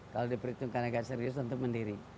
kalau diperhitungkan agak serius untuk mandiri